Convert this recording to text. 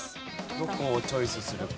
どこをチョイスするか？